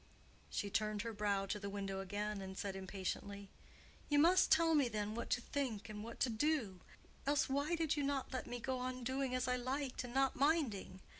She turned her brow to the window again, and said impatiently, "You must tell me then what to think and what to do; else why did you not let me go on doing as I liked and not minding?